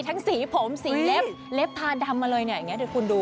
ทั้งสีผมสีเล็บเล็บทาดำอะไรอย่างนี้เดี๋ยวคุณดู